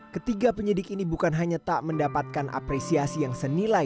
ketiga penyidik ini bukan hanya tak mendapatkan apresiasi yang senilai